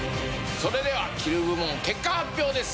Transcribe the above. それでは「切る」部門結果発表です